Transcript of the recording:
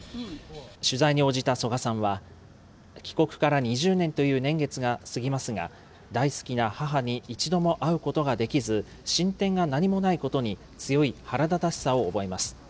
取材に応じた曽我さんは、帰国から２０年という年月が過ぎますが、大好きな母に一度も会うことができず、進展が何もないことに、強い腹立たしさを覚えます。